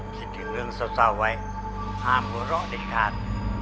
คิดถึงเรื่องเศร้าไว้ห้ามหัวเราะเด็ดขาด